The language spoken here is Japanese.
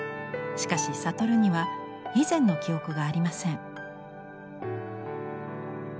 しかしさとるには以前の記憶がありません。